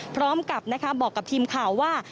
พร้อมกับบอกกับทีมข่าวว่า